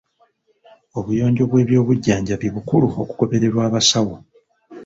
Obuyonjo bw'ebyobujjanjabi bukulu okugobererwa abasawo.